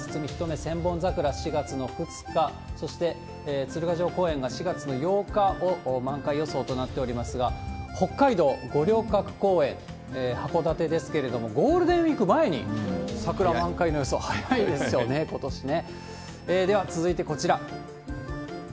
宮城県のしろいし川堤ひとめ千本桜、４月の２日、そして鶴ヶ城公園が４月の８日を満開予想となっておりますが、北海道、五稜郭公園、函館ですけれども、ゴールデンウィーク前に桜満開の予想、早いですよね、ことしね。